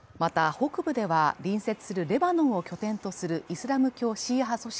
北部では、隣接するレバノンを拠点とするイスラム教シーア派組織